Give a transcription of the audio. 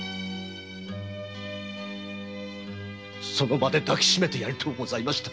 その場で抱きしめてやりとうございました。